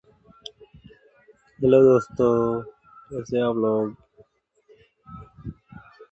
Several musicologists have proposed much more complicated classifications and descriptions of alap.